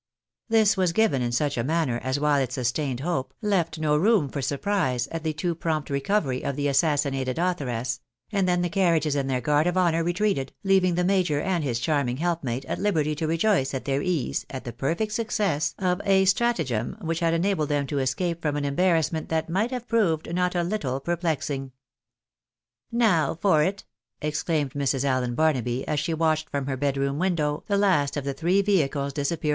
This was given in such a manner, as while it sustained hope, left no room for surprise at the too prompt recovery of the assassinated authoress — and then the carriages and their guard of honour re treated; leaving the major and his charming helpmate at liberty to rejoice at their ease at the perfect success of a stratagem which had enabled them to escape from an embarrassment that might have proved not a little perplexing. " Now for it," exclaimed Mrs. Allen Barnaby, as she watched from her bedroom window the last of the three vehicles disappear 218 THE BARNABYS IX AIMERICA.